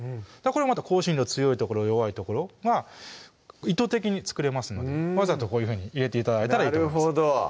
これもまた香辛料強い所・弱い所が意図的に作れますのでわざとこういうふうに入れて頂いたらいいと思います